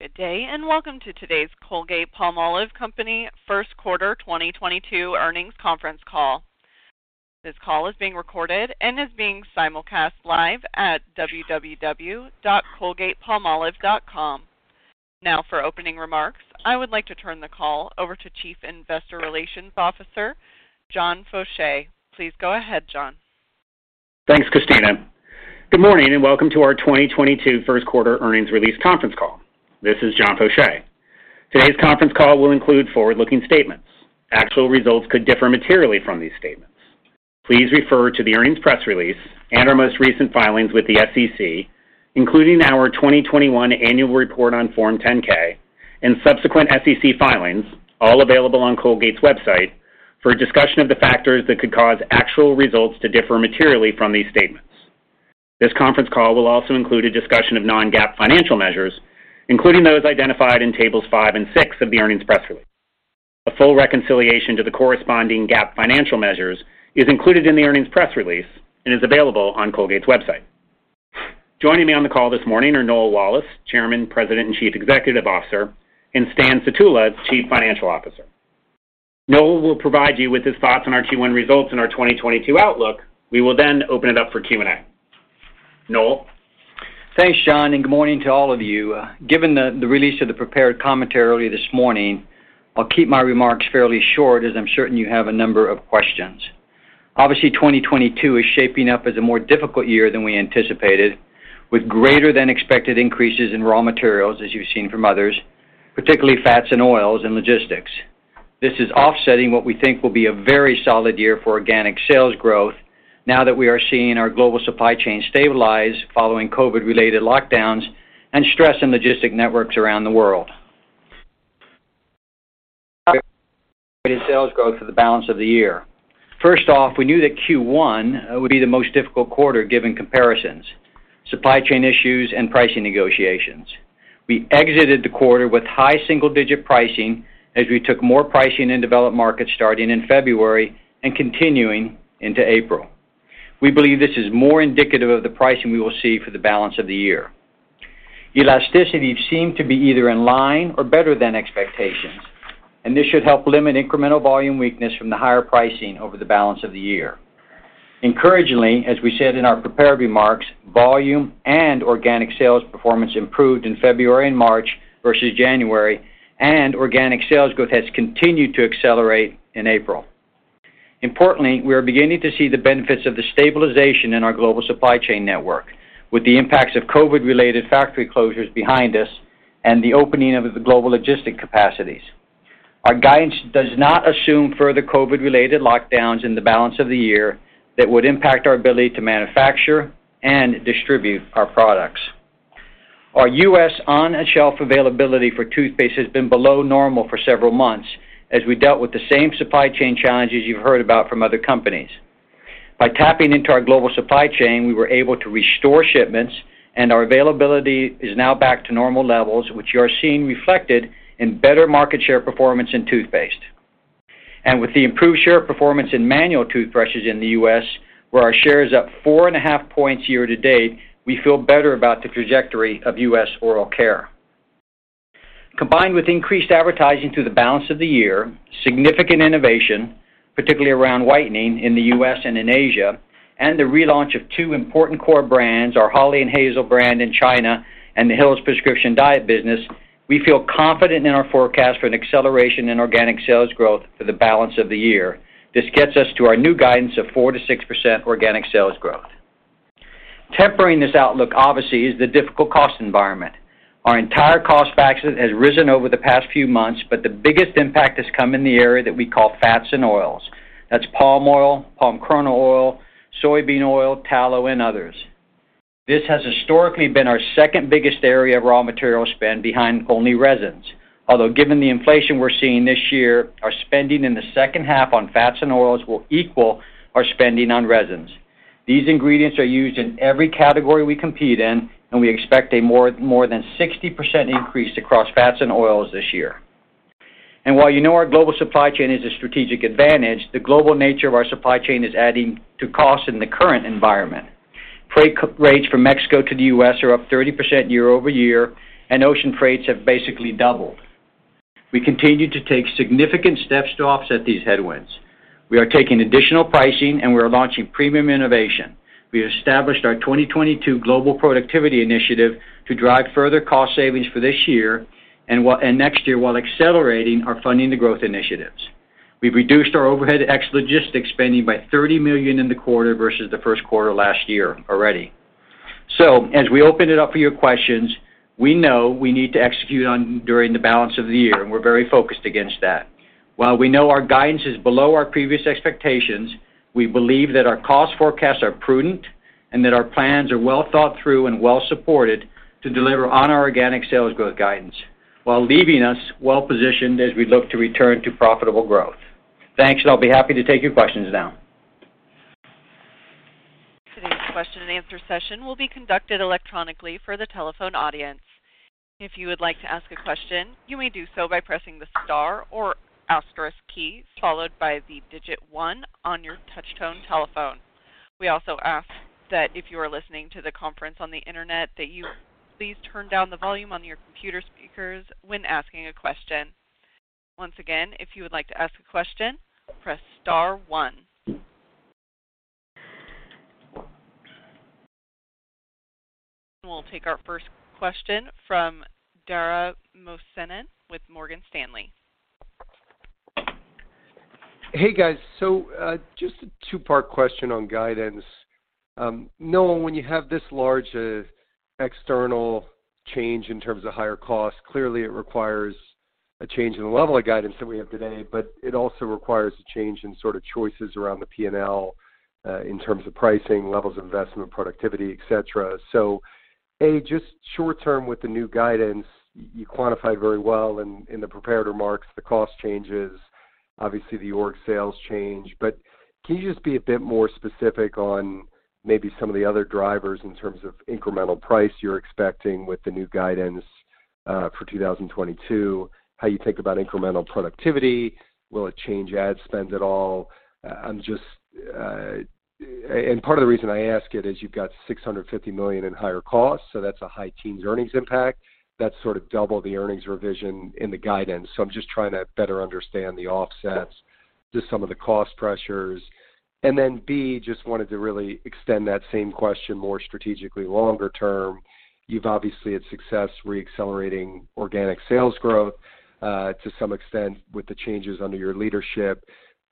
Good day, and welcome to today's Colgate-Palmolive Company Q1 2022 earnings conference call. This call is being recorded and is being simulcast live at www.colgatepalmolive.com. Now, for opening remarks, I would like to turn the call over to Chief Investor Relations Officer, John Faucher. Please go ahead, John. Thanks, Cristina. Good morning, and welcome to our 2022 Q1 earnings release conference call. This is John Faucher. Today's conference call will include forward-looking statements. Actual results could differ materially from these statements. Please refer to the earnings press release and our most recent filings with the SEC, including our 2021 annual report on Form 10-K and subsequent SEC filings, all available on Colgate's website, for a discussion of the factors that could cause actual results to differ materially from these statements. This conference call will also include a discussion of non-GAAP financial measures, including those identified in tables five and six of the earnings press release. A full reconciliation to the corresponding GAAP financial measures is included in the earnings press release and is available on Colgate's website. Joining me on the call this morning are Noel Wallace, Chairman, President, and Chief Executive Officer, and Stan Sutula, Chief Financial Officer. Noel will provide you with his thoughts on our Q1 results and our 2022 outlook. We will then open it up for Q&A. Noel? Thanks, John, and good morning to all of you. Given the release of the prepared commentary earlier this morning, I'll keep my remarks fairly short, as I'm certain you have a number of questions. Obviously, 2022 is shaping up as a more difficult year than we anticipated, with greater than expected increases in raw materials, as you've seen from others, particularly fats and oils and logistics. This is offsetting what we think will be a very solid year for organic sales growth now that we are seeing our global supply chain stabilize following COVID-related lockdowns and stress in logistics networks around the world. Sales growth for the balance of the year. First off, we knew that Q1 would be the most difficult quarter given comparisons, supply chain issues, and pricing negotiations. We exited the quarter with high single-digit pricing as we took more pricing in developed markets starting in February and continuing into April. We believe this is more indicative of the pricing we will see for the balance of the year. Elasticity seemed to be either in line or better than expectations, and this should help limit incremental volume weakness from the higher pricing over the balance of the year. Encouragingly, as we said in our prepared remarks, volume and organic sales performance improved in February and March versus January, and organic sales growth has continued to accelerate in April. Importantly, we are beginning to see the benefits of the stabilization in our global supply chain network, with the impacts of COVID-related factory closures behind us and the opening of the global logistics capacities. Our guidance does not assume further COVID-related lockdowns in the balance of the year that would impact our ability to manufacture and distribute our products. Our U.S. on-and-shelf availability for toothpaste has been below normal for several months as we dealt with the same supply chain challenges you've heard about from other companies. By tapping into our global supply chain, we were able to restore shipments, and our availability is now back to normal levels, which you are seeing reflected in better market share performance in toothpaste. With the improved share performance in manual toothbrushes in the U.S., where our share is up 4.5 points year to date, we feel better about the trajectory of U.S. oral care. Combined with increased advertising through the balance of the year, significant innovation, particularly around whitening in the U.S. and in Asia, and the relaunch of two important core brands, our Hawley & Hazel brand in China and the Hill's Prescription Diet business, we feel confident in our forecast for an acceleration in organic sales growth for the balance of the year. This gets us to our new guidance of 4%-6% organic sales growth. Tempering this outlook, obviously, is the difficult cost environment. Our entire cost factor has risen over the past few months, but the biggest impact has come in the area that we call fats and oils. That's palm oil, palm kernel oil, soybean oil, tallow, and others. This has historically been our second-biggest area of raw material spend behind only resins. Although, given the inflation we're seeing this year, our spending in the second half on fats and oils will equal our spending on resins. These ingredients are used in every category we compete in, and we expect more than 60% increase across fats and oils this year. While you know our global supply chain is a strategic advantage, the global nature of our supply chain is adding to costs in the current environment. Freight rates from Mexico to the U.S. are up 30% year-over-year, and ocean freights have basically doubled. We continue to take significant steps to offset these headwinds. We are taking additional pricing, and we are launching premium innovation. We established our 2022 global productivity initiative to drive further cost savings for this year and next year while accelerating our Funding the Growth initiatives. We've reduced our overhead and logistics spending by $30 million in the quarter versus the Q1 last year already. As we open it up for your questions, we know we need to execute on during the balance of the year, and we're very focused against that. While we know our guidance is below our previous expectations, we believe that our cost forecasts are prudent and that our plans are well thought through and well supported to deliver on our organic sales growth guidance while leaving us well positioned as we look to return to profitable growth. Thanks, and I'll be happy to take your questions now. Today's question and answer session will be conducted electronically for the telephone audience. If you would like to ask a question, you may do so by pressing the star or asterisk key followed by the digit one on your touch tone telephone. We also ask that if you are listening to the conference on the internet, that you please turn down the volume on your computer speakers when asking a question. Once again, if you would like to ask a question, press star one. We'll take our first question from Dara Mohsenian with Morgan Stanley. Hey, guys. Just a two-part question on guidance. Knowing when you have this large external change in terms of higher costs, clearly it requires a change in the level of guidance that we have today, but it also requires a change in sort of choices around the P&L in terms of pricing, levels of investment, productivity, et cetera. A, just short term with the new guidance, you quantified very well in the prepared remarks, the cost changes, obviously the organic sales change. Can you just be a bit more specific on maybe some of the other drivers in terms of incremental price you're expecting with the new guidance for 2022, how you think about incremental productivity? Will it change ad spend at all? Part of the reason I ask it is you've got $650 million in higher costs, so that's a high teens earnings impact. That's sort of double the earnings revision in the guidance. I'm just trying to better understand the offsets to some of the cost pressures. Then B, just wanted to really extend that same question more strategically longer term. You've obviously had success reaccelerating organic sales growth, to some extent with the changes under your leadership.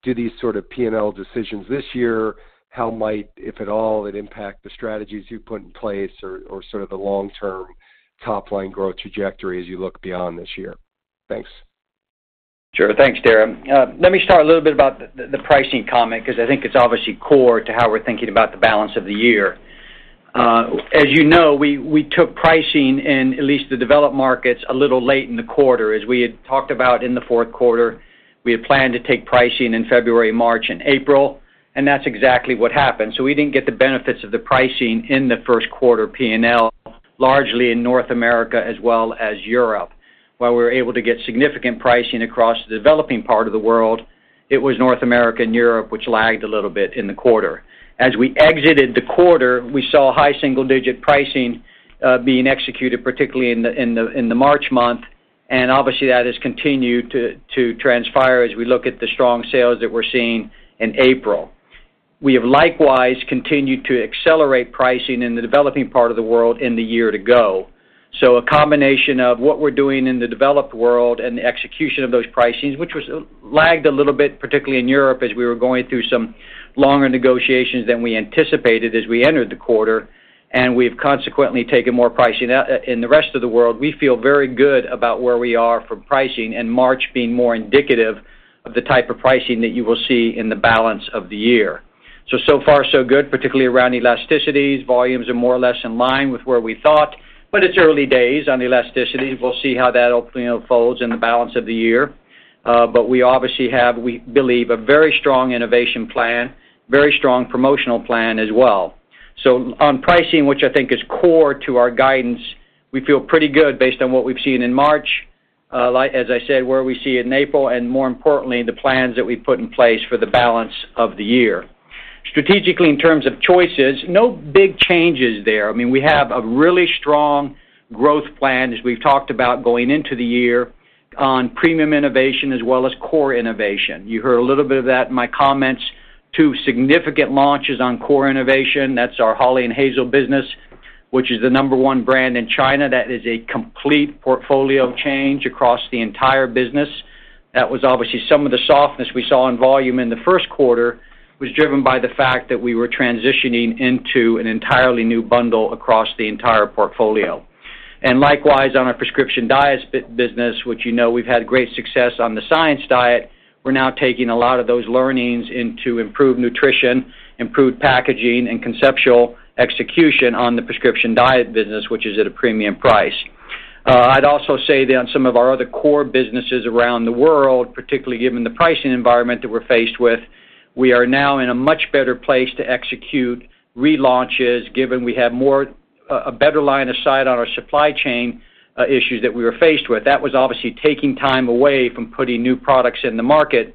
Do these sort of P&L decisions this year, how might, if at all, it impact the strategies you put in place or sort of the long-term top line growth trajectory as you look beyond this year? Thanks. Sure. Thanks, Dara. Let me start a little bit about the pricing comment 'cause I think it's obviously core to how we're thinking about the balance of the year. As you know, we took pricing in at least the developed markets a little late in the quarter. As we had talked about in the Q4, we had planned to take pricing in February, March and April, and that's exactly what happened. We didn't get the benefits of the pricing in the Q1 P&L, largely in North America as well as Europe. While we were able to get significant pricing across the developing part of the world, it was North America and Europe which lagged a little bit in the quarter. As we exited the quarter, we saw high single-digit pricing being executed, particularly in the March month, and obviously that has continued to transpire as we look at the strong sales that we're seeing in April. We have likewise continued to accelerate pricing in the developing part of the world in the year to go. A combination of what we're doing in the developed world and the execution of those pricings, which lagged a little bit, particularly in Europe, as we were going through some longer negotiations than we anticipated as we entered the quarter, and we've consequently taken more pricing. In the rest of the world, we feel very good about where we are for pricing, and March being more indicative of the type of pricing that you will see in the balance of the year. So far so good, particularly around elasticities. Volumes are more or less in line with where we thought, but it's early days on elasticity. We'll see how that, you know, unfolds in the balance of the year. We obviously have, we believe, a very strong innovation plan, very strong promotional plan as well. On pricing, which I think is core to our guidance, we feel pretty good based on what we've seen in March, like as I said, what we see in April, and more importantly, the plans that we've put in place for the balance of the year. Strategically, in terms of choices, no big changes there. I mean, we have a really strong growth plan, as we've talked about going into the year, on premium innovation as well as core innovation. You heard a little bit of that in my comments. Two significant launches on core innovation. That's our Hawley & Hazel business, which is the number one brand in China. That is a complete portfolio change across the entire business. That was obviously some of the softness we saw in volume in the Q1 was driven by the fact that we were transitioning into an entirely new bundle across the entire portfolio. Likewise, on our Prescription Diet business, which you know we've had great success on the Science Diet, we're now taking a lot of those learnings into improved nutrition, improved packaging and conceptual execution on the Prescription Diet business, which is at a premium price. I'd also say that on some of our other core businesses around the world, particularly given the pricing environment that we're faced with, we are now in a much better place to execute relaunches given we have a better line of sight on our supply chain issues that we were faced with. That was obviously taking time away from putting new products in the market.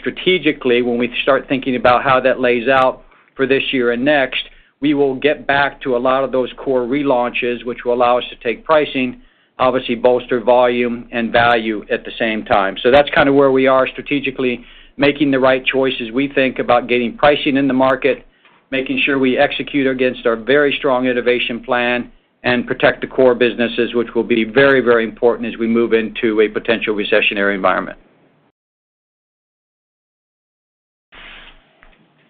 Strategically, when we start thinking about how that plays out for this year and next, we will get back to a lot of those core relaunches, which will allow us to take pricing, obviously bolster volume and value at the same time. That's kind of where we are strategically making the right choices. We think about getting pricing in the market, making sure we execute against our very strong innovation plan and protect the core businesses, which will be very, very important as we move into a potential recessionary environment.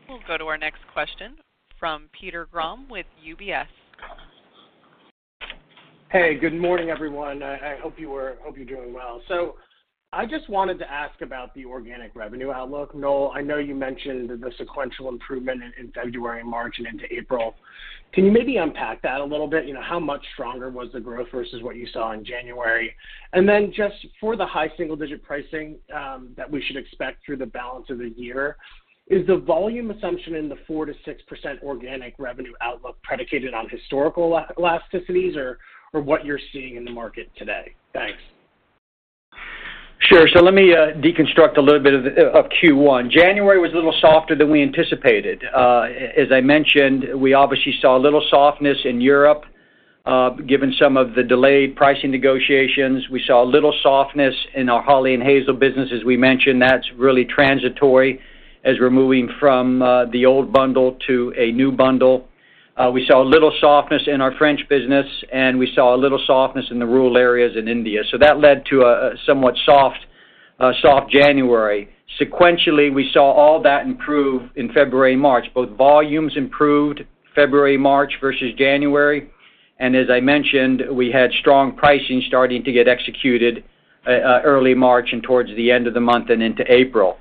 We'll go to our next question from Peter Grom with UBS. Hey, good morning, everyone. I hope you're doing well. I just wanted to ask about the organic revenue outlook. Noel, I know you mentioned the sequential improvement in February and March and into April. Can you maybe unpack that a little bit? You know, how much stronger was the growth versus what you saw in January? And then just for the high single digit pricing that we should expect through the balance of the year, is the volume assumption in the 4%-6% organic revenue outlook predicated on historical elasticities or what you're seeing in the market today? Thanks. Sure. Let me deconstruct a little bit of Q1. January was a little softer than we anticipated. As I mentioned, we obviously saw a little softness in Europe, given some of the delayed pricing negotiations. We saw a little softness in our Hawley & Hazel business. As we mentioned, that's really transitory as we're moving from the old bundle to a new bundle. We saw a little softness in our French business, and we saw a little softness in the rural areas in India. That led to a somewhat soft January. Sequentially, we saw all that improve in February and March. Both volumes improved February, March versus January, and as I mentioned, we had strong pricing starting to get executed early March and towards the end of the month and into April.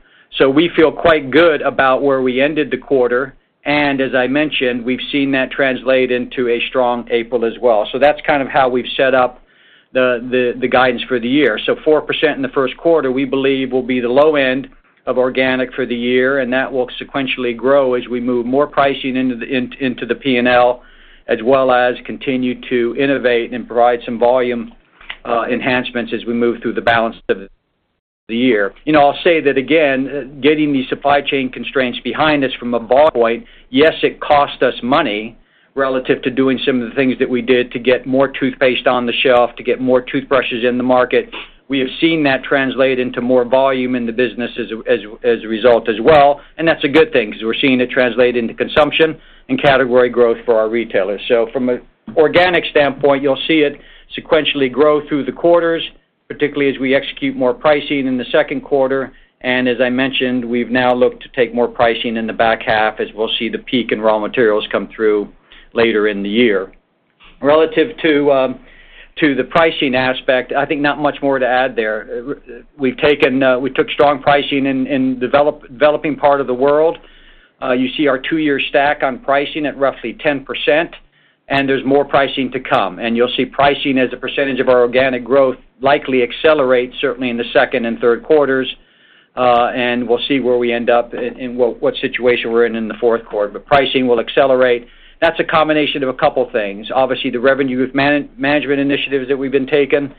We feel quite good about where we ended the quarter, and as I mentioned, we've seen that translate into a strong April as well. That's kind of how we've set up the guidance for the year. 4% in the Q1, we believe will be the low end of organic for the year, and that will sequentially grow as we move more pricing into the P&L, as well as continue to innovate and provide some volume enhancements as we move through the balance of the year. You know, I'll say that again, getting the supply chain constraints behind us from a ball point, yes, it cost us money relative to doing some of the things that we did to get more toothpaste on the shelf, to get more toothbrushes in the market. We have seen that translate into more volume in the business as a result as well, and that's a good thing 'cause we're seeing it translate into consumption and category growth for our retailers. From an organic standpoint, you'll see it sequentially grow through the quarters, particularly as we execute more pricing in the second quarter. As I mentioned, we've now looked to take more pricing in the back half as we'll see the peak in raw materials come through later in the year. Relative to the pricing aspect, I think not much more to add there. We took strong pricing in developing part of the world. You see our two-year stack on pricing at roughly 10%, and there's more pricing to come. You'll see pricing as a percentage of our organic growth likely accelerate certainly in the second and third quarters, and we'll see where we end up in what situation we're in in the Q4. Pricing will accelerate. That's a combination of a couple things. Obviously, the revenue management initiatives that we've been taking.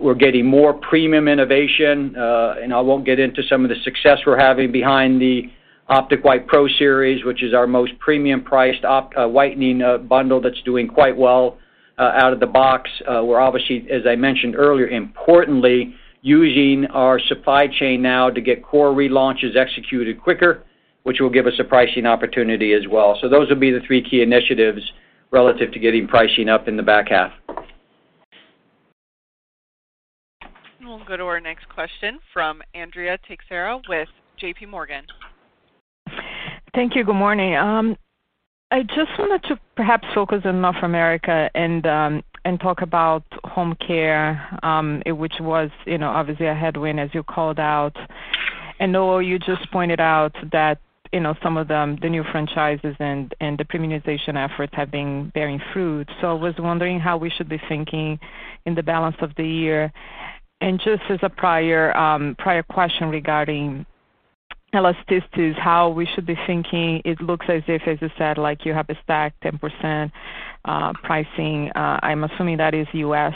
We're getting more premium innovation, and I won't get into some of the success we're having behind the Optic White Pro Series, which is our most premium priced whitening bundle that's doing quite well out of the box. We're obviously, as I mentioned earlier, importantly using our supply chain now to get core relaunches executed quicker, which will give us a pricing opportunity as wel.l. Those will be the three key initiatives relative to getting pricing up in the back half. We'll go to our next question from Andrea Teixeira with JPMorgan. Thank you. Good morning. I just wanted to perhaps focus on North America and talk about home care, which was, you know, obviously a headwind as you called out. I know you just pointed out that, you know, some of the new franchises and the premiumization efforts have been bearing fruit. So I was wondering how we should be thinking in the balance of the year. Just as a prior question regarding elasticities, how we should be thinking, it looks as if, as you said, like you have a stacked 10% pricing. I'm assuming that is U.S.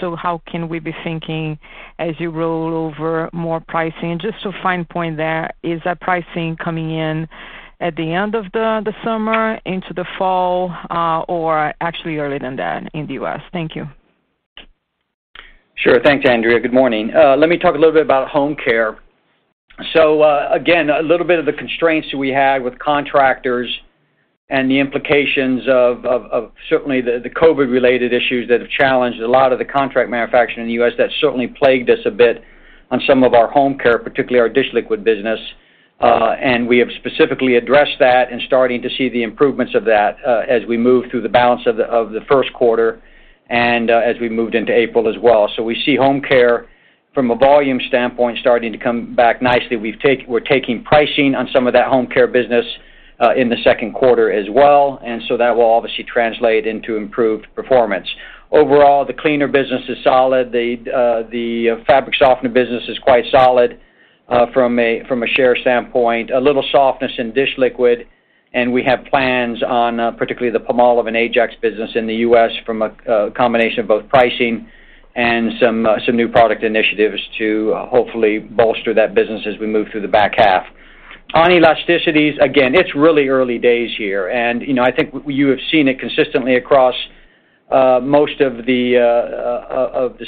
So how can we be thinking as you roll over more pricing? Just to pinpoint there, is that pricing coming in at the end of the summer into the fall, or actually earlier than that in the US? Thank you. Sure. Thanks, Andrea. Good morning. Let me talk a little bit about home care. Again, a little bit of the constraints that we had with contractors and the implications of certainly the COVID-related issues that have challenged a lot of the contract manufacturing in the U.S. that certainly plagued us a bit on some of our home care, particularly our dish liquid business. We have specifically addressed that and starting to see the improvements of that, as we move through the balance of the and as we moved into April as well. We see home care from a volume standpoint starting to come back nicely. We're taking pricing on some of that home care business in the second quarter as well, and so that will obviously translate into improved performance. Overall, the cleaner business is solid. The fabric softener business is quite solid from a share standpoint. A little softness in dish liquid, and we have plans on particularly the Palmolive and Ajax business in the U.S. from a combination of both pricing and some new product initiatives to hopefully bolster that business as we move through the back half. On elasticities, again, it's really early days here, and you know, I think you have seen it consistently across most of the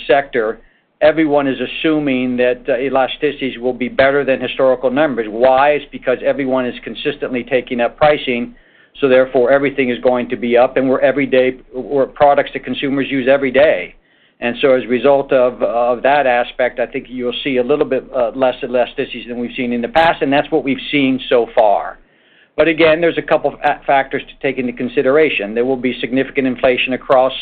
sector. Everyone is assuming that elasticities will be better than historical numbers. Why? It's because everyone is consistently taking up pricing, so therefore, everything is going to be up, and we're everyday products that consumers use every day. As a result of that aspect, I think you'll see a little bit less elasticities than we've seen in the past, and that's what we've seen so far. Again, there's a couple of factors to take into consideration. There will be significant inflation across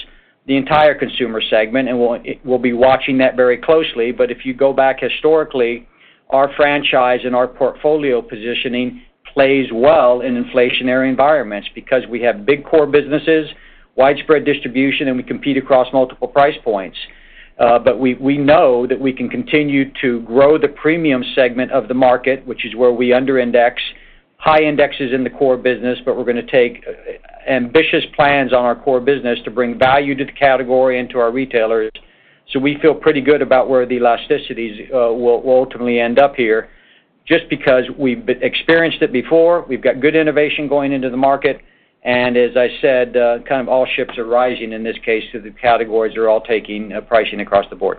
the entire consumer segment, and we'll be watching that very closely. If you go back historically, our franchise and our portfolio positioning plays well in inflationary environments because we have big core businesses, widespread distribution, and we compete across multiple price points. We know that we can continue to grow the premium segment of the market, which is where we under index. High index is in the core business, but we're gonna take ambitious plans on our core business to bring value to the category and to our retailers. We feel pretty good about where the elasticities will ultimately end up here just because we've experienced it before, we've got good innovation going into the market, and as I said, kind of all ships are rising in this case, so the categories are all taking pricing across the board.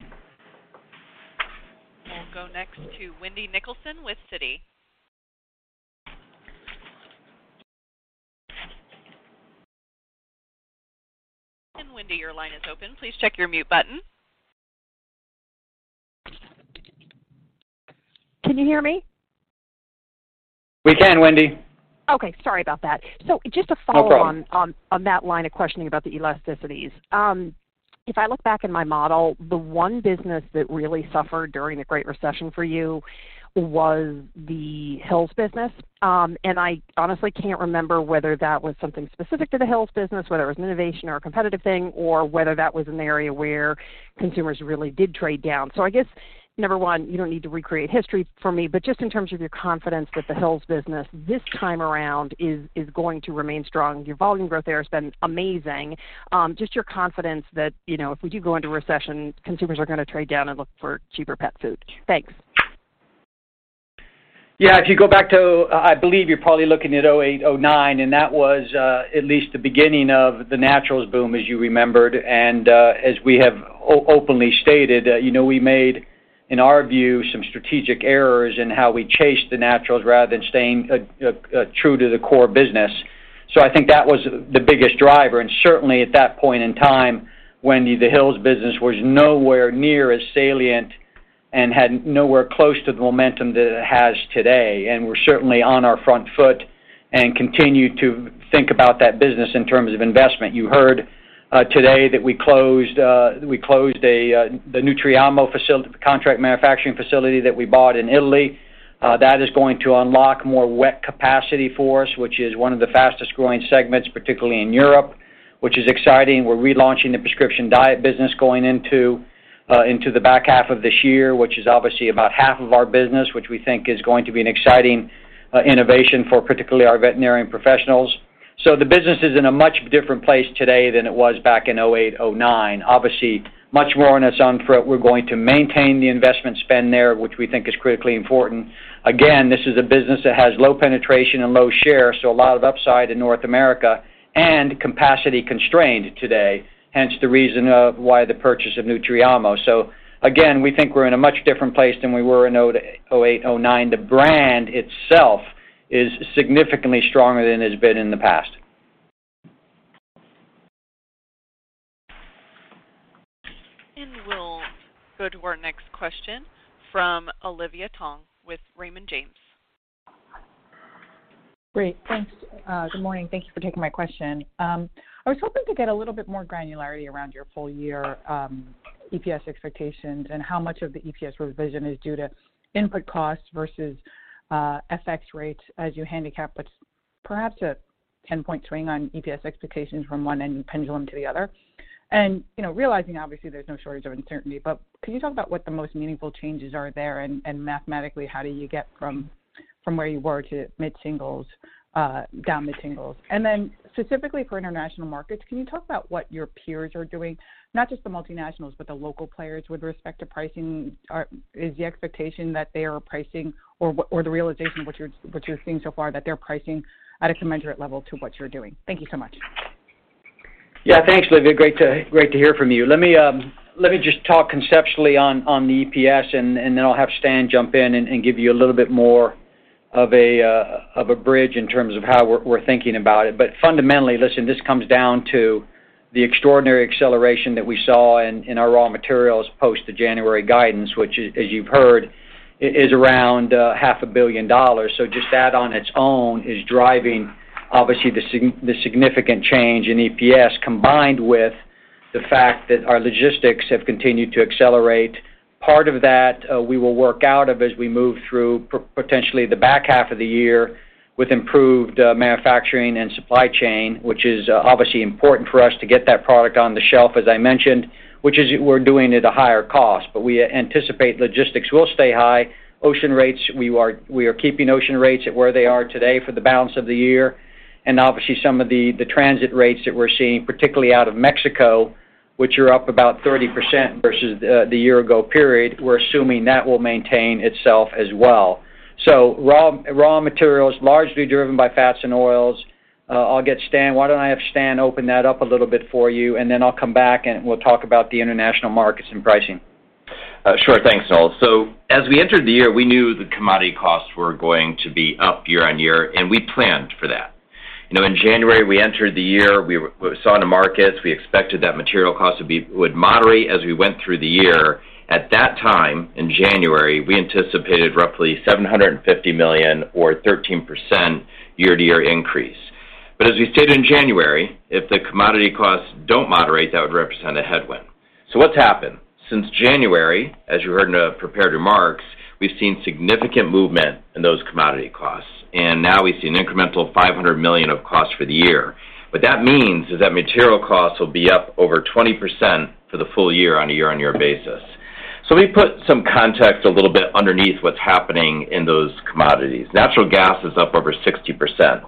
We'll go next to Wendy Nicholson with Citi. Wendy, your line is open. Please check your mute button. Can you hear me? We can, Wendy. Okay. Sorry about that. Just to follow on. No problem. On that line of questioning about the elasticities. If I look back in my model, the one business that really suffered during the Great Recession for you was the Hill's business. I honestly can't remember whether that was something specific to the Hill's business, whether it was an innovation or a competitive thing, or whether that was an area where consumers really did trade down. I guess, number one, you don't need to recreate history for me, but just in terms of your confidence that the Hill's business this time around is going to remain strong. Your volume growth there has been amazing. Just your confidence that, you know, if we do go into recession, consumers are gonna trade down and look for cheaper pet food. Thanks. Yeah. If you go back to, I believe you're probably looking at 2008, 2009, and that was at least the beginning of the naturals boom, as you remembered. As we have openly stated, you know, we made, in our view, some strategic errors in how we chased the naturals rather than staying true to the core business. I think that was the biggest driver. Certainly at that point in time, Wendy, the Hill's business was nowhere near as salient and had nowhere close to the momentum that it has today. We're certainly on our front foot and continue to think about that business in terms of investment. You heard today that we closed the Nutriamo contract manufacturing facility that we bought in Italy. That is going to unlock more wet capacity for us, which is one of the fastest-growing segments, particularly in Europe, which is exciting. We're relaunching the Prescription Diet business going into the back half of this year, which is obviously about half of our business, which we think is going to be an exciting innovation for particularly our veterinarian professionals. The business is in a much different place today than it was back in 2008, 2009. Obviously, much more on its own front. We're going to maintain the investment spend there, which we think is critically important. Again, this is a business that has low penetration and low share, so a lot of upside in North America and capacity constrained today, hence the reason of why the purchase of Nutriamo. Again, we think we're in a much different place than we were in 2008, 2009. The brand itself is significantly stronger than it's been in the past. We'll go to our next question from Olivia Tong with Raymond James. Great. Thanks. Good morning. Thank you for taking my question. I was hoping to get a little bit more granularity around your full year EPS expectations and how much of the EPS revision is due to input costs versus FX rates as you handicap what's perhaps a 10-point swing on EPS expectations from one end pendulum to the other. You know, realizing obviously there's no shortage of uncertainty, but can you talk about what the most meaningful changes are there, and mathematically, how do you get from where you were to mid-singles down to mid-singles? Specifically for international markets, can you talk about what your peers are doing, not just the multinationals, but the local players with respect to pricing? Is the expectation that they are pricing or the realization of what you're seeing so far that they're pricing at a commensurate level to what you're doing? Thank you so much. Yeah. Thanks, Olivia. Great to hear from you. Let me just talk conceptually on the EPS, and then I'll have Stan jump in and give you a little bit more of a bridge in terms of how we're thinking about it. Fundamentally, listen, this comes down to the extraordinary acceleration that we saw in our raw materials post the January guidance, which as you've heard, is around half a billion dollars. Just that on its own is driving obviously the significant change in EPS, combined with the fact that our logistics have continued to accelerate. Part of that, we will work out of as we move through potentially the back half of the year with improved manufacturing and supply chain, which is obviously important for us to get that product on the shelf, as I mentioned, which is we're doing at a higher cost. We anticipate logistics will stay high. Ocean rates, we are keeping ocean rates at where they are today for the balance of the year. Obviously, some of the transit rates that we're seeing, particularly out of Mexico, which are up about 30% versus the year ago period, we're assuming that will maintain itself as well. Raw materials, largely driven by fats and oils. I'll get Stan. Why don't I have Stan open that up a little bit for you, and then I'll come back, and we'll talk about the international markets and pricing. Sure. Thanks, Noel. As we entered the year, we knew the commodity costs were going to be up year-on-year, and we planned for that. You know, in January, we entered the year, we saw in the markets, we expected that material costs would moderate as we went through the year. At that time, in January, we anticipated roughly $750 million or 13% year-to-year increase. As we stated in January, if the commodity costs don't moderate, that would represent a headwind. What's happened? Since January, as you heard in the prepared remarks, we've seen significant movement in those commodity costs, and now we see an incremental $500 million of cost for the year. What that means is that material costs will be up over 20% for the full year on a year-on-year basis. We put some context a little bit underneath what's happening in those commodities. Natural gas is up over 60%.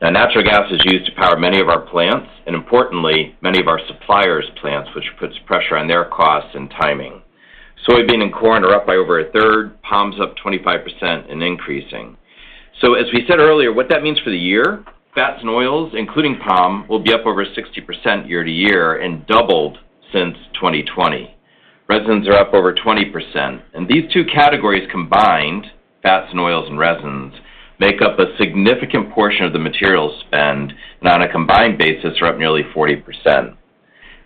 Now natural gas is used to power many of our plants, and importantly, many of our suppliers' plants, which puts pressure on their costs and timing. Soybean and corn are up by over a third, palm's up 25% and increasing. As we said earlier, what that means for the year, fats and oils, including palm, will be up over 60% year-over-year and doubled since 2020. Resins are up over 20%. These two categories combined, fats and oils and resins, make up a significant portion of the material spend, and on a combined basis, are up nearly 40%.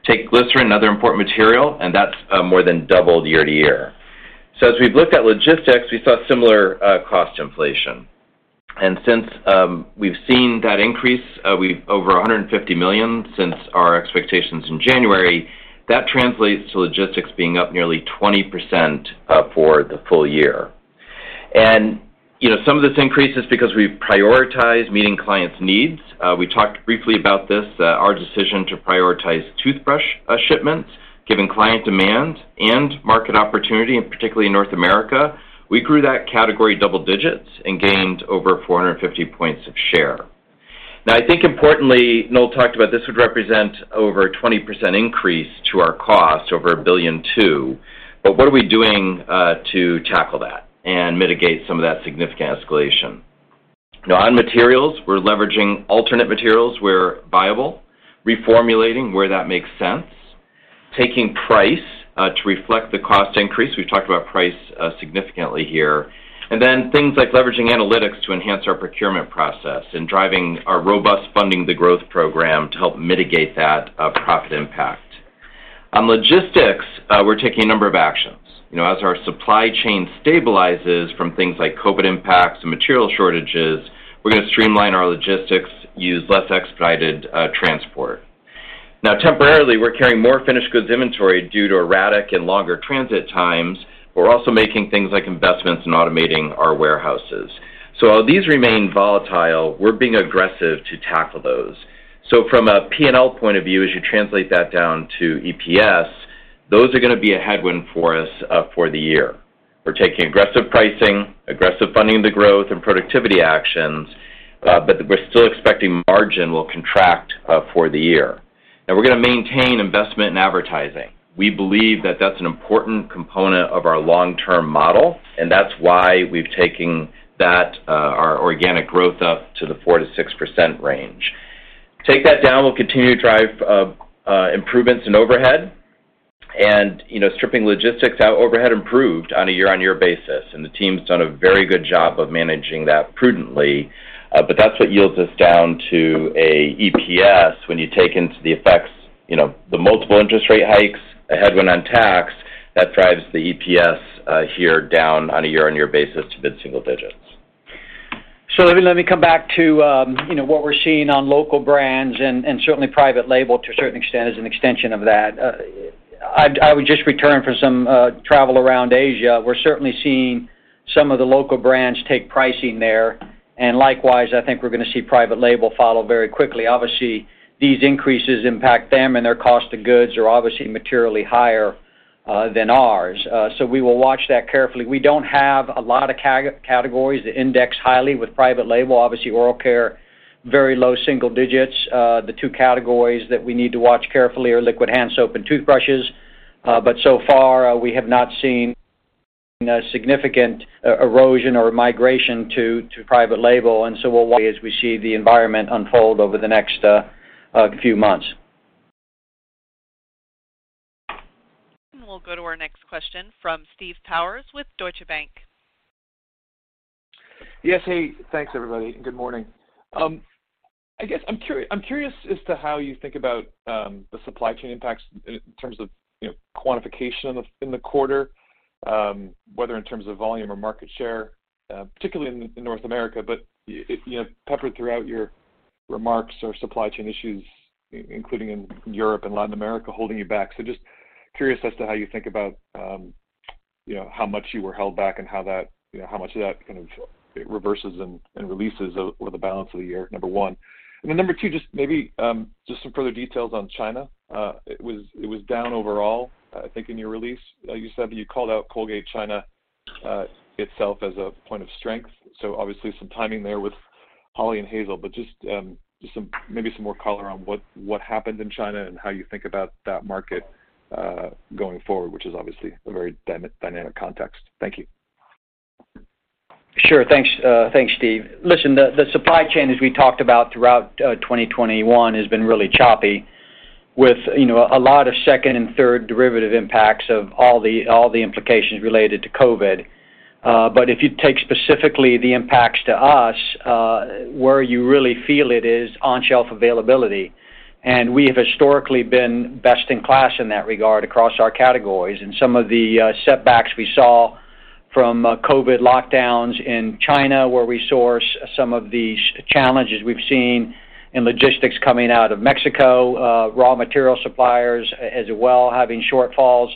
Take glycerin, another important material, and that's more than doubled year to year. As we've looked at logistics, we saw similar cost inflation. Since we've seen that increase, over $150 million since our expectations in January, that translates to logistics being up nearly 20% for the full year. You know, some of this increase is because we prioritize meeting clients' needs. We talked briefly about this, our decision to prioritize toothbrush shipments, given client demand and market opportunity, and particularly in North America. We grew that category double digits and gained over 450 points of share. I think importantly, Noel talked about this would represent over a 20% increase to our cost, over $1.2 billion, but what are we doing to tackle that and mitigate some of that significant escalation? On materials, we're leveraging alternate materials where viable, reformulating where that makes sense, taking price to reflect the cost increase, we've talked about price significantly here, and then things like leveraging analytics to enhance our procurement process and driving our robust Funding the Growth program to help mitigate that profit impact. On logistics, we're taking a number of actions. You know, as our supply chain stabilizes from things like COVID impacts and material shortages, we're gonna streamline our logistics, use less expedited transport. Temporarily, we're carrying more finished goods inventory due to erratic and longer transit times. We're also making things like investments in automating our warehouses. While these remain volatile, we're being aggressive to tackle those. From a P&L point of view, as you translate that down to EPS, those are gonna be a headwind for us for the year. We're taking aggressive pricing, aggressive Funding the Growth and productivity actions, but we're still expecting margin will contract for the year. Now we're gonna maintain investment in advertising. We believe that that's an important component of our long-term model, and that's why we've taken that our organic growth up to the 4%-6% range. Take that down, we'll continue to drive improvements in overhead, and, you know, stripping logistics out, overhead improved on a year-on-year basis, and the team's done a very good job of managing that prudently. That's what yields us down to an EPS when you take into the effects, you know, the multiple interest rate hikes, a headwind on tax, that drives the EPS here down on a year-on-year basis to mid-single digits. Let me come back to, you know, what we're seeing on local brands and certainly private label to a certain extent as an extension of that. I just returned from some travel around Asia. We're certainly seeing some of the local brands take pricing there, and likewise, I think we're gonna see private label follow very quickly. Obviously, these increases impact them, and their cost of goods are obviously materially higher than ours. We will watch that carefully. We don't have a lot of categories that index highly with private label. Obviously oral care, very low single digits. The two categories that we need to watch carefully are liquid hand soap and toothbrushes. So far, we have not seen a significant erosion or migration to private label, and so we'll watch as we see the environment unfold over the next few months. We'll go to our next question from Steve Powers with Deutsche Bank. Yes. Hey, thanks everybody, and good morning. I guess I'm curious as to how you think about the supply chain impacts in terms of, you know, quantification in the quarter, whether in terms of volume or market share, particularly in North America. You know, peppered throughout your remarks are supply chain issues, including in Europe and Latin America, holding you back. Just curious as to how you think about, you know, how much you were held back and how that, you know, how much of that kind of reverses and releases over the balance of the year, number one. Then number two, just maybe, just some further details on China. It was down overall, I think, in your release. You said that you called out Colgate China itself as a point of strength, so obviously some timing there with Hawley & Hazel. Just maybe some more color on what happened in China and how you think about that market going forward, which is obviously a very dynamic context? Thank you. Sure. Thanks, thanks Steve. Listen, the supply chain, as we talked about throughout 2021, has been really choppy with, you know, a lot of second and third derivative impacts of all the implications related to COVID. If you take specifically the impacts to us, where you really feel it is on-shelf availability. We have historically been best in class in that regard across our categories. Some of the setbacks we saw from COVID lockdowns in China, where we source some of the challenges we've seen in logistics coming out of Mexico, raw material suppliers as well having shortfalls,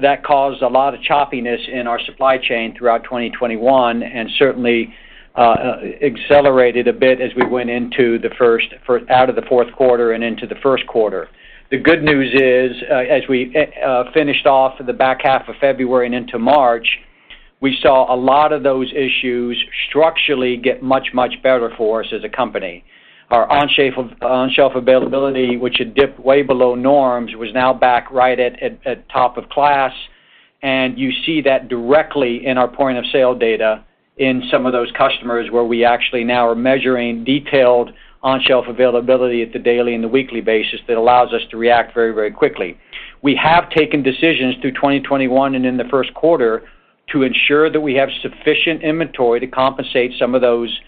that caused a lot of choppiness in our supply chain throughout 2021, and certainly accelerated a bit as we went out of the fourth quarter and into the Q. The good news is, as we finished off the back half of February and into March, we saw a lot of those issues structurally get much better for us as a company. Our on-shelf availability, which had dipped way below norms, was now back right at top of class. You see that directly in our point of sale data in some of those customers where we actually now are measuring detailed on-shelf availability at the daily and the weekly basis that allows us to react very quickly. We have taken decisions through 2021 and in the firs to ensure that we have sufficient inventory to compensate some of those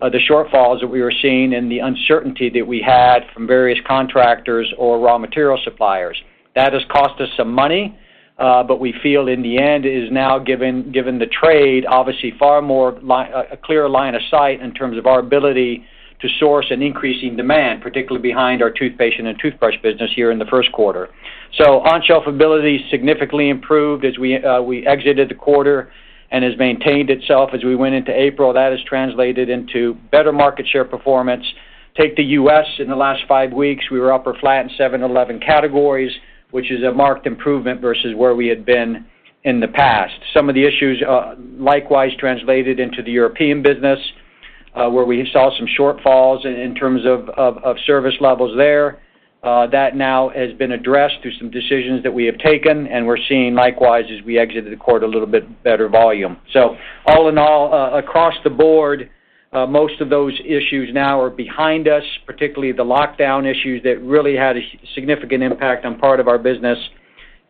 the shortfalls that we were seeing and the uncertainty that we had from various contractors or raw material suppliers. That has cost us some money, but we feel in the end it has now given the trade obviously far more of a clearer line of sight in terms of our ability to source an increasing demand, particularly behind our toothpaste and toothbrush business here in the Q1. On-shelf ability significantly improved as we exited the quarter and has maintained itself as we went into April. That has translated into better market share performance. Take the U.S., in the last three weeks, we were up or flat in seven of eleven categories, which is a marked improvement versus where we had been in the past. Some of the issues likewise translated into the European business, where we saw some shortfalls in terms of service levels there. That now has been addressed through some decisions that we have taken, and we're seeing likewise as we exited the quarter a little bit better volume. All in all, across the board, most of those issues now are behind us, particularly the lockdown issues that really had a significant impact on part of our business.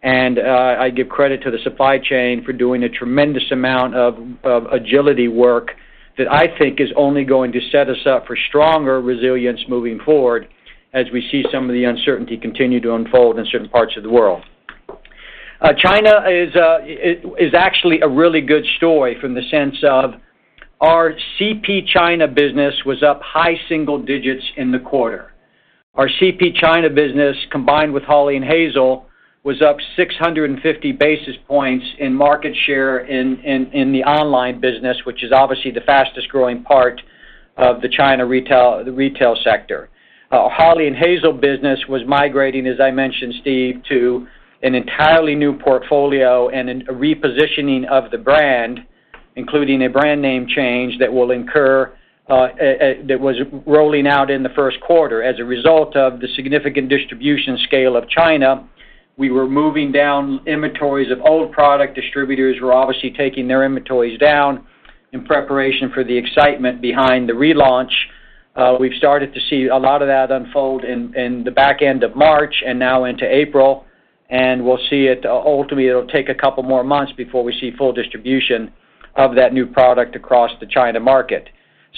I give credit to the supply chain for doing a tremendous amount of agility work that I think is only going to set us up for stronger resilience moving forward as we see some of the uncertainty continue to unfold in certain parts of the world. China is, it is actually a really good story from the sense of our CP China business was up high single digits in the quarter. Our CP China business, combined with Hawley & Hazel, was up 650 basis points in market share in the online business, which is obviously the fastest growing part of the China retail sector. Hawley & Hazel business was migrating, as I mentioned, Steve, to an entirely new portfolio and a repositioning of the brand, including a brand name change that was rolling out in the. As a result of the significant distribution scale of China, we were drawing down inventories of old product. Distributors were obviously taking their inventories down in preparation for the excitement behind the relaunch. We've started to see a lot of that unfold in the back end of March and now into April, and we'll see it ultimately. It'll take a couple more months before we see full distribution of that new product across the China market.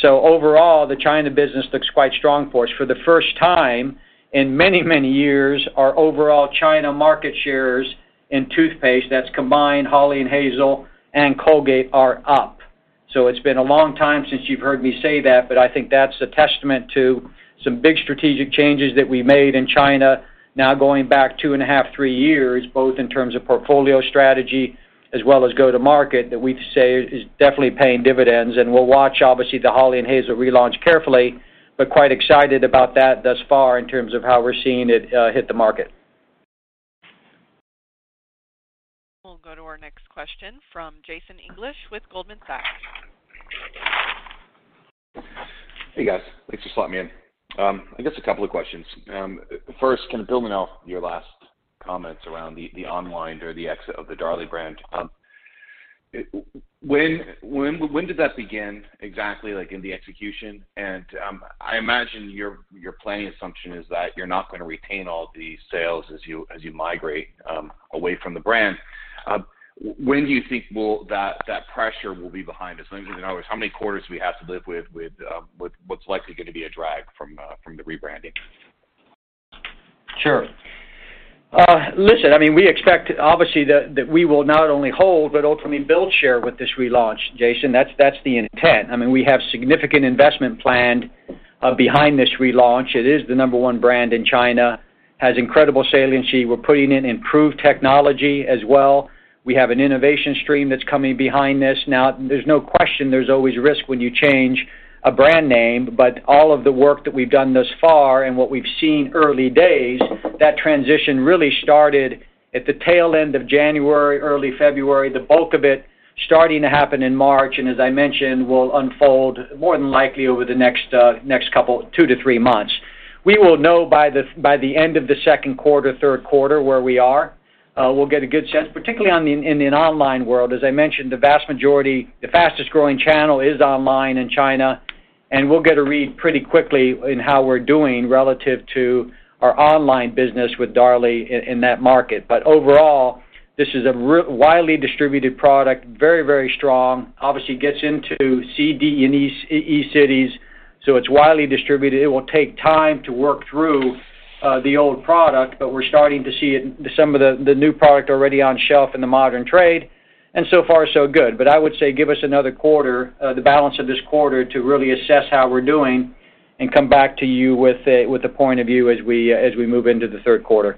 Overall, the China business looks quite strong for us. For the first time in many, many years, our overall China market shares in toothpaste, that's combined Hawley & Hazel and Colgate, are up. It's been a long time since you've heard me say that, but I think that's a testament to some big strategic changes that we made in China now going back 2.5-3 years, both in terms of portfolio strategy as well as go-to-market, that we'd say is definitely paying dividends. We'll watch obviously the Hawley & Hazel relaunch carefully, but quite excited about that thus far in terms of how we're seeing it hit the market. We'll go to our next question from Jason English with Goldman Sachs. Hey, guys. Thanks for slotting me in. I guess a couple of questions. First, can you build on your last comments around the online or the exit of the Darlie brand? When did that begin exactly, like in the execution? I imagine your planning assumption is that you're not gonna retain all the sales as you migrate away from the brand. When do you think that pressure will be behind us? In other words, how many quarters do we have to live with what's likely gonna be a drag from the rebranding? Sure. Listen, I mean, we expect obviously that we will not only hold, but ultimately build share with this relaunch, Jason. That's the intent. I mean, we have significant investment planned behind this relaunch. It is the number one brand in China, has incredible saliency. We're putting in improved technology as well. We have an innovation stream that's coming behind this. Now, there's no question there's always risk when you change a brand name, but all of the work that we've done thus far and what we've seen early days, that transition really started at the tail end of January, early February, the bulk of it starting to happen in March, and as I mentioned, will unfold more than likely over the next couple, 2-3 months. We will know by the end of the second quarter, third quarter where we are. We'll get a good sense, particularly in the online world. As I mentioned, the vast majority, the fastest growing channel is online in China, and we'll get a read pretty quickly in how we're doing relative to our online business with Darlie in that market. Overall, this is a widely distributed product, very, very strong. Obviously gets into C, D, and E tier cities, so it's widely distributed. It will take time to work through the old product, but we're starting to see it, some of the new product already on shelf in the modern trade, and so far, so good. I would say give us another quarter, the balance of this quarter to really assess how we're doing and come back to you with a point of view as we move into the third quarter.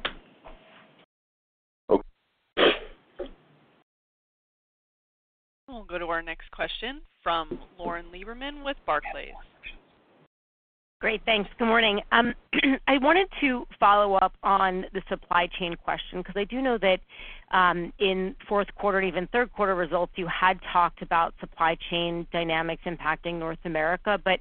We'll go to our next question from Lauren Lieberman with Barclays. Great, thanks. Good morning. I wanted to follow up on the supply chain question because I do know that, in fourth quarter and even third quarter results, you had talked about supply chain dynamics impacting North America. At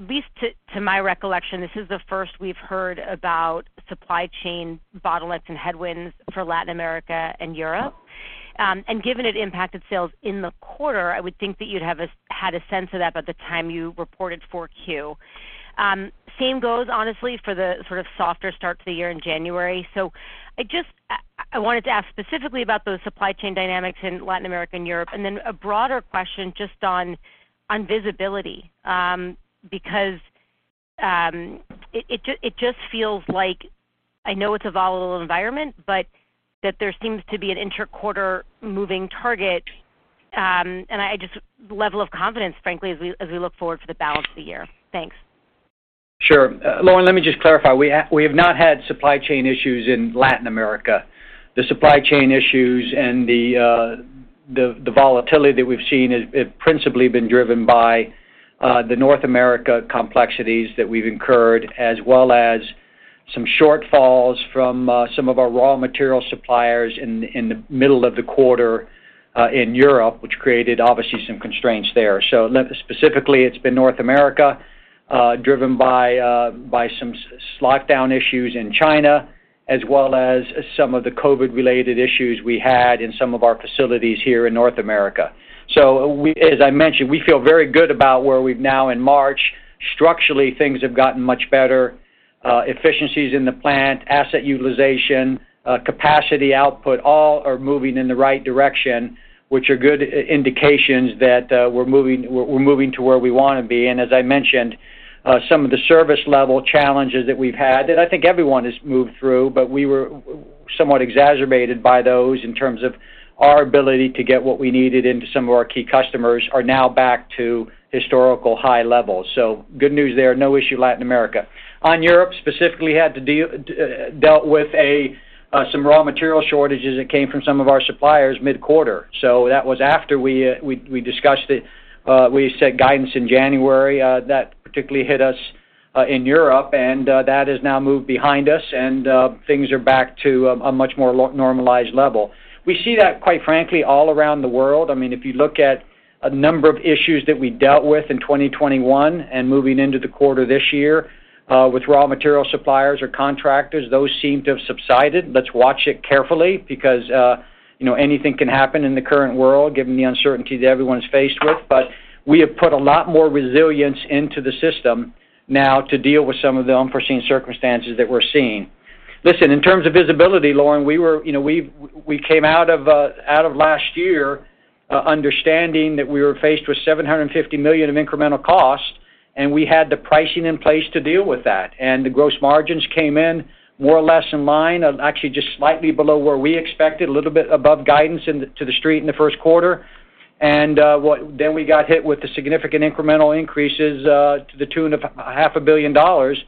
least to my recollection, this is the first we've heard about supply chain bottlenecks and headwinds for Latin America and Europe. Given it impacted sales in the quarter, I would think that you'd have had a sense of that by the time you reported Q4. Same goes, honestly, for the sort of softer start to the year in January. I wanted to ask specifically about those supply chain dynamics in Latin America and Europe, and then a broader question just on visibility, because it just feels like I know it's a volatile environment, but that there seems to be an inter-quarter moving target. The level of confidence, frankly, as we look forward for the balance of the year. Thanks. Sure. Lauren, let me just clarify. We have not had supply chain issues in Latin America. The supply chain issues and the volatility that we've seen have principally been driven by the North America complexities that we've incurred, as well as some shortfalls from some of our raw material suppliers in the middle of the quarter in Europe, which created obviously some constraints there. Specifically, it's been North America driven by some lockdown issues in China, as well as some of the COVID-related issues we had in some of our facilities here in North America. As I mentioned, we feel very good about where we're now in March. Structurally, things have gotten much better. Efficiencies in the plant, asset utilization, capacity output, all are moving in the right direction, which are good indications that we're moving to where we wanna be. As I mentioned, some of the service level challenges that we've had, that I think everyone has moved through, but we were somewhat exacerbated by those in terms of our ability to get what we needed into some of our key customers are now back to historically high levels. Good news there. No issue in Latin America. In Europe, specifically, we had to deal with some raw material shortages that came from some of our suppliers mid-quarter. That was after we discussed it. We set guidance in January that particularly hit us in Europe, and that has now moved behind us and things are back to a much more normalized level. We see that quite frankly all around the world. I mean, if you look at a number of issues that we dealt with in 2021 and moving into the quarter this year with raw material suppliers or contractors, those seem to have subsided. Let's watch it carefully because you know, anything can happen in the current world, given the uncertainty that everyone's faced with. We have put a lot more resilience into the system now to deal with some of the unforeseen circumstances that we're seeing. Listen, in terms of visibility, Lauren, you know, we came out of last year understanding that we were faced with $750 million of incremental costs, and we had the pricing in place to deal with that. The gross margins came in more or less in line, actually just slightly below where we expected, a little bit above guidance to the street in the Q1. We got hit with the significant incremental increases to the tune of half a billion dollars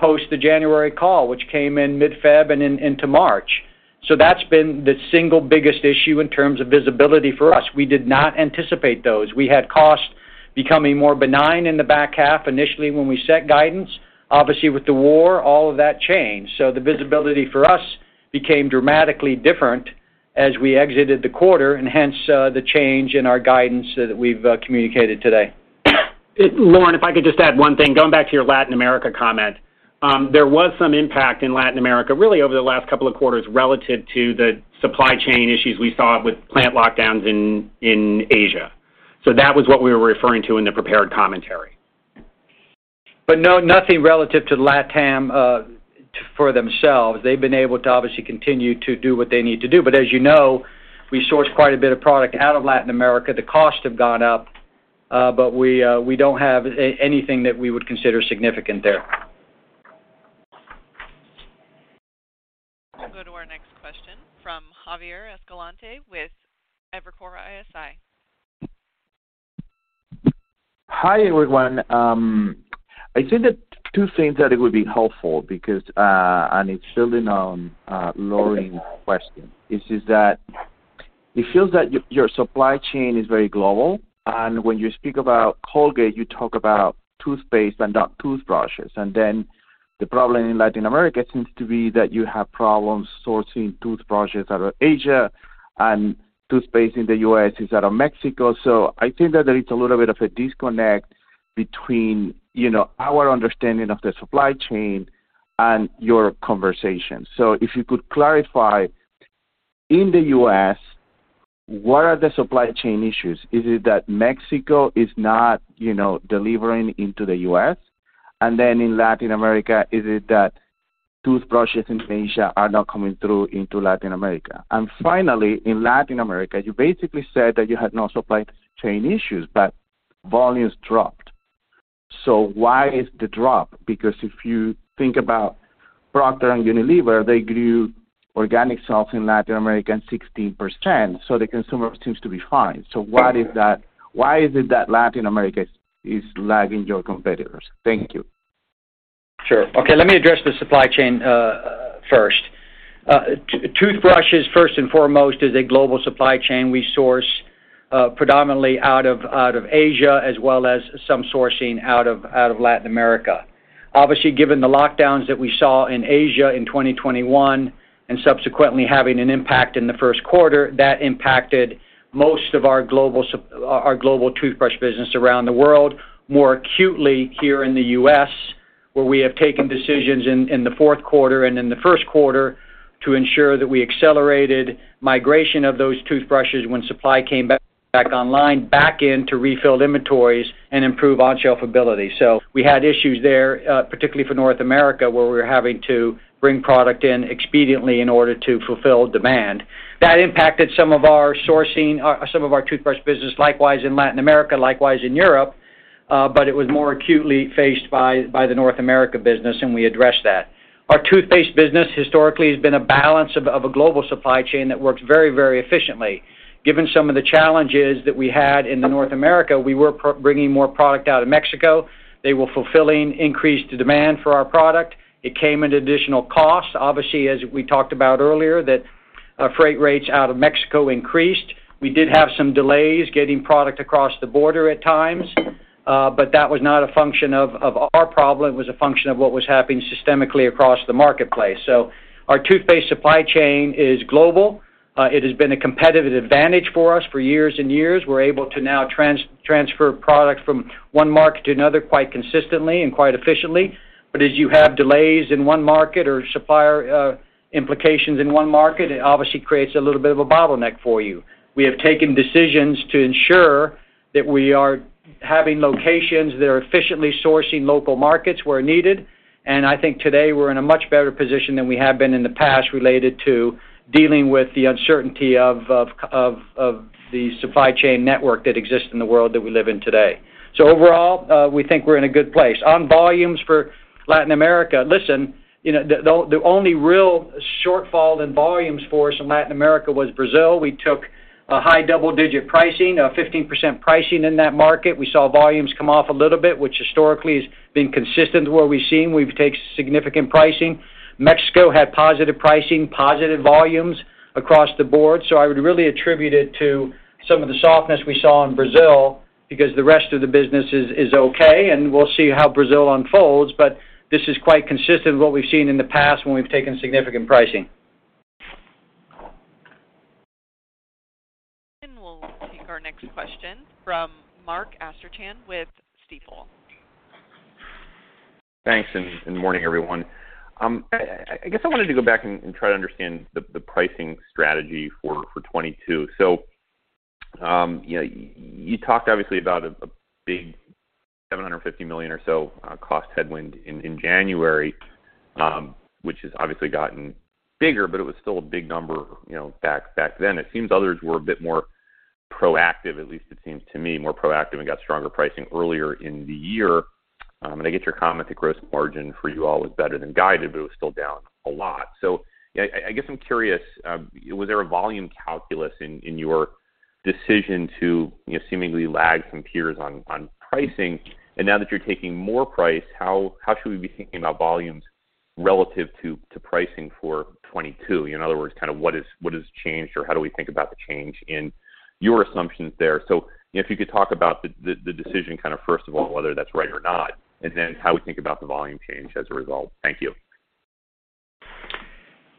post the January call, which came in mid-February and into March. That's been the single biggest issue in terms of visibility for us. We did not anticipate those. We had costs becoming more benign in the back half initially when we set guidance. Obviously, with the war, all of that changed. The visibility for us became dramatically different as we exited the quarter, and hence, the change in our guidance that we've communicated today. Lauren, if I could just add one thing, going back to your Latin America comment. There was some impact in Latin America, really over the last couple of quarters, relative to the supply chain issues we saw with plant lockdowns in Asia. That was what we were referring to in the prepared commentary. No, nothing relative to LATAM for themselves. They've been able to obviously continue to do what they need to do. As you know, we source quite a bit of product out of Latin America. The costs have gone up, but we don't have anything that we would consider significant there. We'll go to our next question from Javier Escalante with Evercore ISI. Hi, everyone. I think that two things that it would be helpful because, and it's building on, Lauren's question, is just that it feels that your supply chain is very global. When you speak about Colgate, you talk about toothpaste and not toothbrushes. The problem in Latin America seems to be that you have problems sourcing toothbrushes out of Asia and toothpaste in the US is out of Mexico. I think that there is a little bit of a disconnect between, you know, our understanding of the supply chain and your conversation. If you could clarify, in the US, what are the supply chain issues? Is it that Mexico is not, you know, delivering into the US? In Latin America, is it that toothbrushes in Asia are not coming through into Latin America? Finally, in Latin America, you basically said that you had no supply chain issues, but volumes dropped. Why is the drop? Because if you think about Procter & Unilever, they grew organic sales in Latin America 16%, so the consumer seems to be fine. What is that, why is it that Latin America is lagging your competitors? Thank you. Sure. Okay, let me address the supply chain first. Toothbrushes, first and foremost, is a global supply chain. We source predominantly out of Asia as well as some sourcing out of Latin America. Obviously, given the lockdowns that we saw in Asia in 2021, and subsequently having an impact in the Q1, that impacted most of our global toothbrush business around the world, more acutely here in the U.S., where we have taken decisions in the fourth quarter and in the Q1. to ensure that we accelerated migration of those toothbrushes when supply came back online, back into refilled inventories and improve on-shelf ability. We had issues there, particularly for North America, where we were having to bring product in expediently in order to fulfill demand. That impacted some of our sourcing, some of our toothbrush business, likewise in Latin America, likewise in Europe, but it was more acutely faced by the North America business, and we addressed that. Our toothpaste business historically has been a balance of a global supply chain that works very, very efficiently. Given some of the challenges that we had in the North America, we were bringing more product out of Mexico. They were fulfilling increased demand for our product. It came at additional cost. Obviously, as we talked about earlier, that, freight rates out of Mexico increased. We did have some delays getting product across the border at times, but that was not a function of our problem, it was a function of what was happening systemically across the marketplace. Our toothpaste supply chain is global. It has been a competitive advantage for us for years and years. We're able to now transfer product from one market to another quite consistently and quite efficiently. As you have delays in one market or supplier implications in one market, it obviously creates a little bit of a bottleneck for you. We have taken decisions to ensure that we are having locations that are efficiently sourcing local markets where needed. I think today we're in a much better position than we have been in the past related to dealing with the uncertainty of the supply chain network that exists in the world that we live in today. Overall, we think we're in a good place. On volumes for Latin America, listen, you know, the only real shortfall in volumes for us in Latin America was Brazil. We took a high double-digit pricing, a 15% pricing in that market. We saw volumes come off a little bit, which historically has been consistent to what we've seen. We've take significant pricing. Mexico had positive pricing, positive volumes across the board. I would really attribute it to some of the softness we saw in Brazil because the rest of the business is okay, and we'll see how Brazil unfolds. This is quite consistent with what we've seen in the past when we've taken significant pricing. We'll take our next question from Mark Astrachan with Stifel. Thanks and morning, everyone. I guess I wanted to go back and try to understand the pricing strategy for 2022. You talked obviously about a big $750 million or so cost headwind in January, which has obviously gotten bigger, but it was still a big number back then. It seems others were a bit more proactive, at least it seems to me, and got stronger pricing earlier in the year. I get your comment that gross margin for you all was better than guided, but it was still down a lot. I guess I'm curious, was there a volume calculus in your decision to seemingly lag some peers on pricing? Now that you're taking more price, how should we be thinking about volumes relative to pricing for 2022? In other words, kind of what has changed, or how do we think about the change in your assumptions there? If you could talk about the decision kind of, first of all, whether that's right or not, and then how we think about the volume change as a result. Thank you.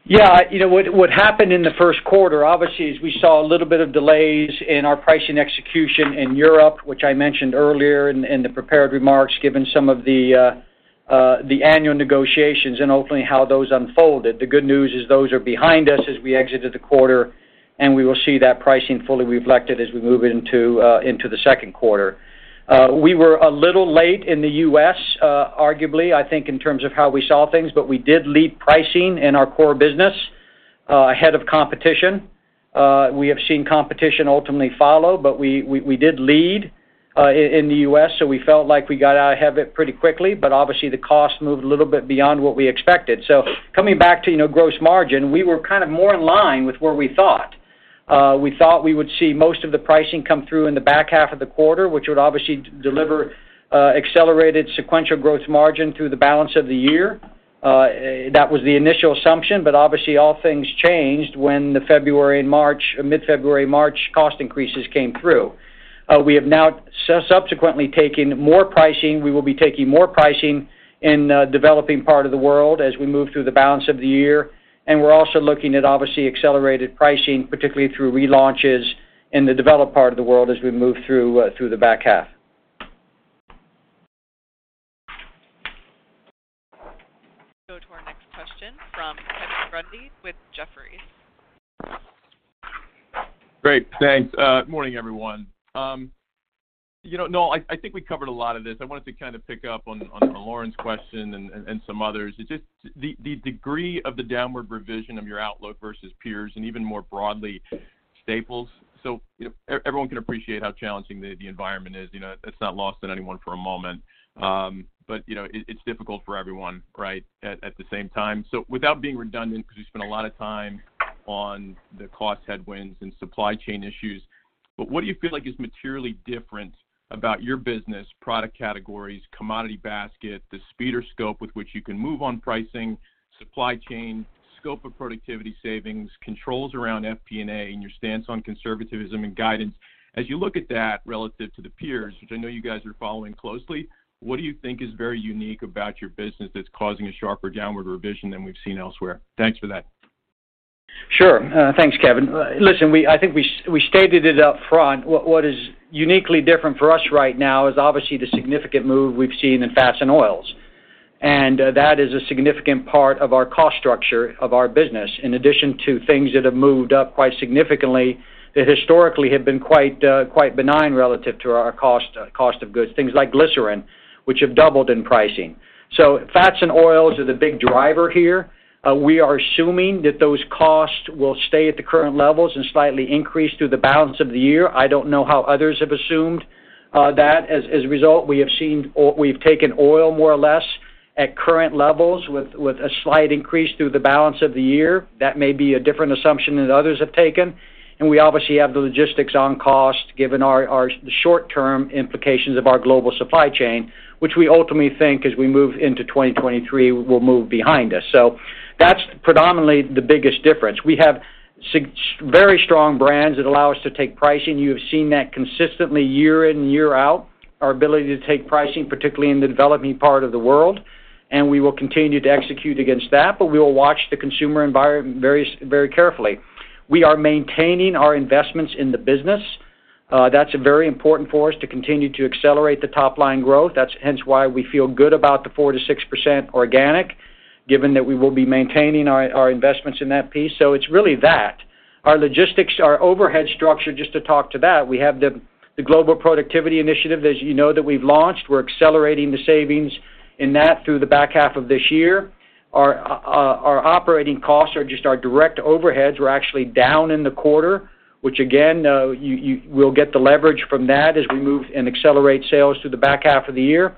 Yeah. You know, what happened in the Q1, obviously, is we saw a little bit of delays in our pricing execution in Europe, which I mentioned earlier in the prepared remarks, given some of the the annual negotiations and ultimately how those unfolded. The good news is those are behind us as we exited the quarter, and we will see that pricing fully reflected as we move into the second quarter. We were a little late in the U.S., arguably, I think, in terms of how we saw things, but we did lead pricing in our core business ahead of competition. We have seen competition ultimately follow, but we did lead in the U.S., so we felt like we got out ahead of it pretty quickly, but obviously, the cost moved a little bit beyond what we expected. Coming back to, you know, gross margin, we were kind of more in line with where we thought. We thought we would see most of the pricing come through in the back half of the quarter, which would obviously deliver accelerated sequential gross margin through the balance of the year. That was the initial assumption, but obviously all things changed when the mid-February and March cost increases came through. We have now subsequently taken more pricing. We will be taking more pricing in developing part of the world as we move through the balance of the year. We're also looking at, obviously, accelerated pricing, particularly through relaunches in the developed part of the world as we move through the back half. Go to our next question from Kevin Grundy with Jefferies. Great. Thanks. Morning, everyone. You know, Noel, I think we covered a lot of this. I wanted to kind of pick up on Lauren's question and some others. Just the degree of the downward revision of your outlook versus peers and even more broadly, Staples. You know, everyone can appreciate how challenging the environment is. You know, it's not lost on anyone for a moment. You know, it's difficult for everyone, right, at the same time. Without being redundant, because you spent a lot of time on the cost headwinds and supply chain issues. What do you feel like is materially different about your business product categories, commodity basket, the speed or scope with which you can move on pricing, supply chain, scope of productivity savings, controls around FP&A, and your stance on conservatism and guidance? As you look at that relative to the peers, which I know you guys are following closely, what do you think is very unique about your business that's causing a sharper downward revision than we've seen elsewhere? Thanks for that. Sure. Thanks, Kevin. Listen, I think we stated it up front. What is uniquely different for us right now is obviously the significant move we've seen in fats and oils. That is a significant part of our cost structure of our business, in addition to things that have moved up quite significantly that historically had been quite benign relative to our cost of goods, things like glycerin, which have doubled in pricing. Fats and oils are the big driver here. We are assuming that those costs will stay at the current levels and slightly increase through the balance of the year. I don't know how others have assumed that. As a result, we've taken oil more or less at current levels with a slight increase through the balance of the year. That may be a different assumption than others have taken. We obviously have the logistics on cost given our short-term implications of our global supply chain, which we ultimately think as we move into 2023 will move behind us. That's predominantly the biggest difference. We have very strong brands that allow us to take pricing. You have seen that consistently year in, year out, our ability to take pricing, particularly in the developing part of the world, and we will continue to execute against that, but we will watch the consumer environment very carefully. We are maintaining our investments in the business. That's very important for us to continue to accelerate the top-line growth. That's hence why we feel good about the 4%-6% organic, given that we will be maintaining our investments in that piece. It's really that. Our logistics, our overhead structure, just to talk to that, we have the global productivity initiative, as you know, that we've launched. We're accelerating the savings in that through the back half of this year. Our operating costs or just our direct overheads were actually down in the quarter, which again, you will get the leverage from that as we move and accelerate sales through the back half of the year.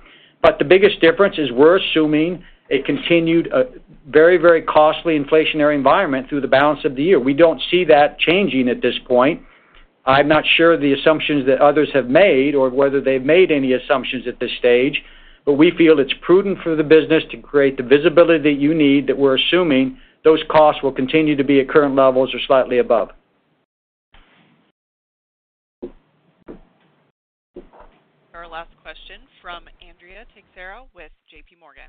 The biggest difference is we're assuming a continued, very, very costly inflationary environment through the balance of the year. We don't see that changing at this point. I'm not sure the assumptions that others have made or whether they've made any assumptions at this stage, but we feel it's prudent for the business to create the visibility that you need that we're assuming those costs will continue to be at current levels or slightly above. Our last question from Andrea Teixeira with JPMorgan.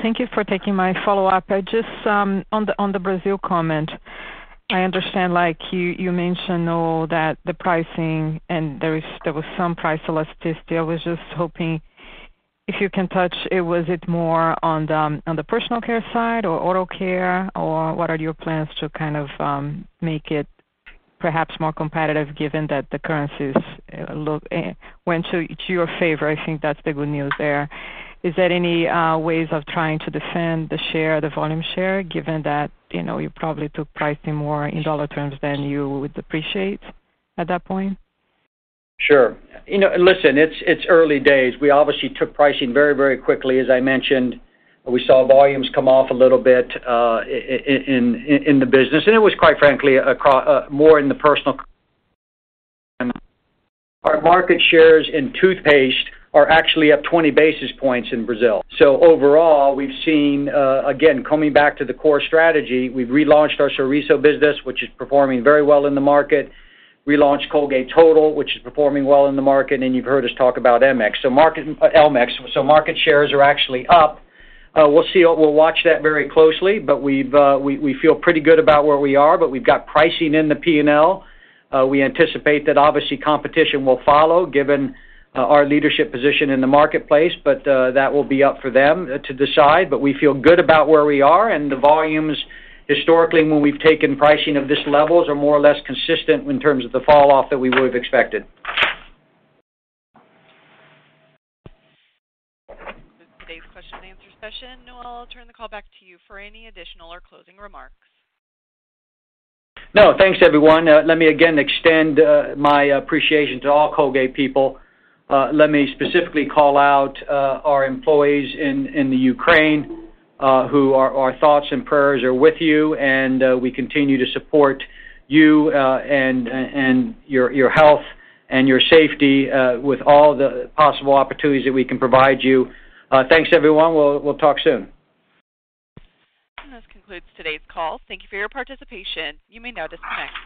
Thank you for taking my follow-up. I just, on the Brazil comment, I understand, like you mentioned, though, that the pricing and there was some price elasticity. I was just hoping if you can touch, was it more on the personal care side or oral care or what are your plans to kind of make it perhaps more competitive given that the currencies went to your favor? I think that's the good news there. Is there any ways of trying to defend the volume share, given that, you know, you probably took pricing more in dollar terms than you would appreciate at that point? Sure. You know, listen, it's early days. We obviously took pricing very, very quickly. As I mentioned, we saw volumes come off a little bit in the business, and it was quite frankly more in the personal. Our market shares in toothpaste are actually up 20 basis points in Brazil. So overall, we've seen, again, coming back to the core strategy, we've relaunched our Sorriso business, which is performing very well in the market. Relaunched Colgate Total, which is performing well in the market, and you've heard us talk about elmex. So market shares are actually up. We'll see. We'll watch that very closely, but we feel pretty good about where we are, but we've got pricing in the P&L. We anticipate that obviously competition will follow given our leadership position in the marketplace, but that will be up for them to decide. We feel good about where we are and the volumes historically when we've taken pricing of this levels are more or less consistent in terms of the fall off that we would have expected. That concludes today's question and answer session. Noel, I'll turn the call back to you for any additional or closing remarks. No, thanks everyone. Let me again extend my appreciation to all Colgate people. Let me specifically call out our employees in the Ukraine, who our thoughts and prayers are with you, and we continue to support you, and your health and your safety, with all the possible opportunities that we can provide you. Thanks everyone. We'll talk soon. This concludes today's call. Thank you for your participation. You may now disconnect.